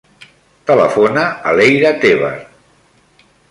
Telefona a l'Eira Tebar.